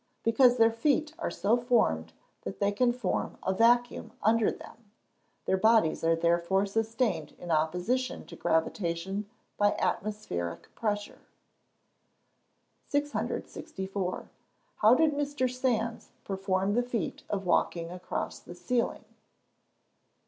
_ Because their feet are so formed that they can form a vacuum, under them; their bodies are therefore sustained in opposition to gravitation by atmospheric pressure. 664. _How did Mr. Sands perform the feat of walking across the ceiling?